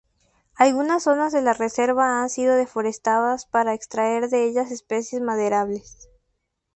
Algunas zonas de la reserva han sido deforestadas para extraer de ellas especies maderables.